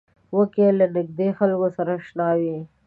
وزې له نږدې خلکو سره اشنا وي